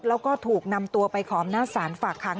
แล้วก็ถูกนำตัวไปขอบหน้าสารฝากขัง